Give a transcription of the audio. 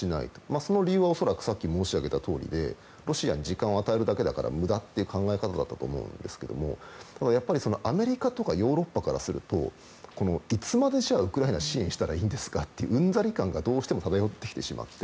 その理由は恐らくさっき申し上げたとおりでロシアに時間を与えるだけだから無駄という考え方だったと思うんですけどもただ、やっぱりアメリカとヨーロッパからするといつまでウクライナ支援したらいいんですかといううんざり感がどうしても漂ってきてしまっていて